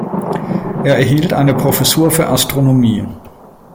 Er erhielt eine Professur für Astronomie.